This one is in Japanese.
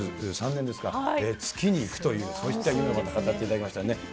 ２０２３年ですか、月に行くという、そういった夢をまた語っていただきましたね。